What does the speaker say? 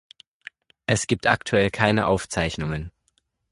Es gibt aktuell keine Aufzeichnungen.